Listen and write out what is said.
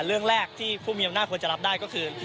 เรื่องแรกที่ผู้มีอำนาจควรจะรับได้ก็คือ